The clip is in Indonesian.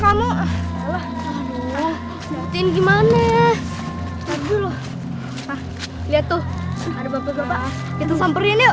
hai allah alhamdulillah tim gimana dulu lihat tuh ada bapak bapak itu samperin